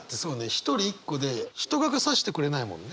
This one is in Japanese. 一人一個で人がさしてくれないもんね。